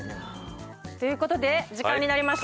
ということで時間になりました。